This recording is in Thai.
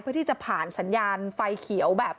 เพื่อที่จะผ่านสัญญาณไฟเขียวแบบ